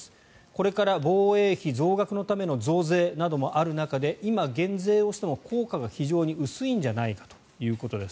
これから防衛費増額のための増税などもある中で今、減税しても効果が非常に薄いんじゃないかということです。